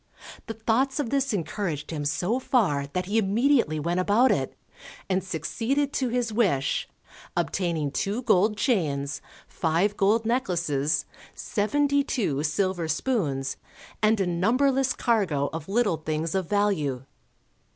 The thoughts of this encouraged him so far that he immediately went about it, and succeeded to his wish, obtaining two gold chains, five gold necklaces, seventy two silver spoons, and a numberless cargo of little things of value.